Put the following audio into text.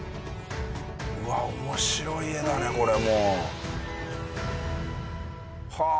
うわ面白い画だねこれも。はあ。